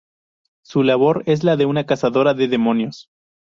Su labor es la de una cazadora de demonios.